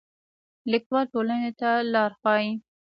لیکوال ټولنې ته لار ښيي